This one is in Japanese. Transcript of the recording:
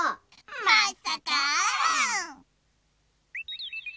まっさか！